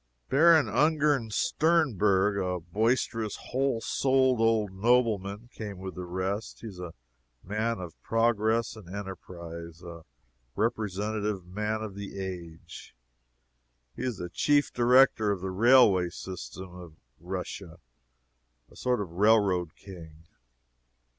Baron Ungern Sternberg, a boisterous, whole souled old nobleman, came with the rest. He is a man of progress and enterprise a representative man of the age. He is the Chief Director of the railway system of Russia a sort of railroad king.